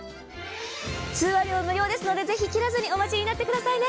通話料無料ですので、ぜひお待ちになってくださいね。